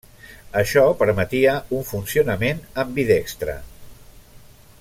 Això permetia un funcionament ambidextre.